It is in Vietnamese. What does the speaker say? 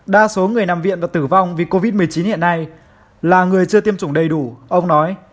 đa số người nằm viện và tử vong vì covid một mươi chín hiện nay là người chưa tiêm chủng đầy đủ ông nói